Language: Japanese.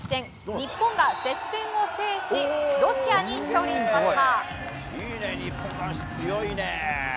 日本が接戦を制しロシアに勝利しました。